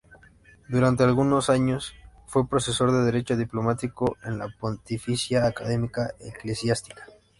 Durante algunos años fue profesor de Derecho diplomático en la Pontificia Academia Eclesiástica.